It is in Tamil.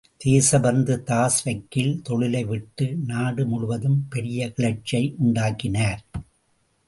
தேசபந்து தாஸ் வக்கீல் தொழிலை விட்டு நாடு முழுதும் பெரிய கிளர்ச்சியை உண்டாக்கினார்.